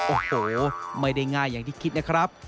โอ้โหไม่ได้ง่ายอย่างที่คิดนะครับ